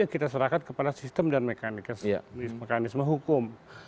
kita serahkan kepada sistem dan mekanisme hukum